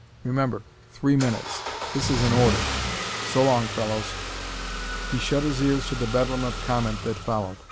Remember three minutes. This is an order. So long, fellows!" He shut his ears to the bedlam of comment that followed.